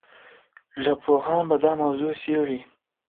ژبپوهان به دا موضوع څېړي.